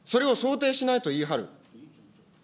それを想定しないと言い張る。